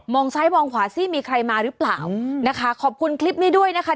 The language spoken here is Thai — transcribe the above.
ซ้ายมองขวาซิมีใครมาหรือเปล่านะคะขอบคุณคลิปนี้ด้วยนะคะ